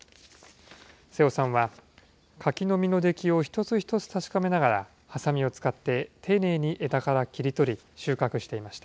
瀬尾さんは柿の実の出来を一つ一つ確かめながら、はさみを使って丁寧に枝から切り取り、収穫していました。